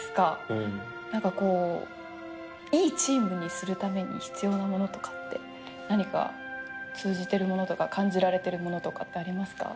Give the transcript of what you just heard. うん何かこういいチームにするために必要なものとかって何か通じてるものとか感じられてるものとかってありますか？